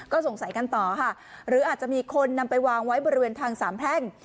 ก็สงสัยกันต่อค่ะหรืออาจจะมีคนนำไปวางไว้บริเวณทางสามแพร่ง